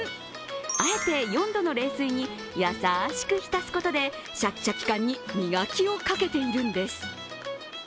あえて４度の冷水に優しく浸すことでしゃきしゃき感に磨きをかけているんです。